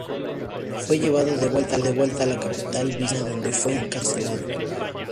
Fue llevado de vuelta a la capital bizantina, donde fue encarcelado.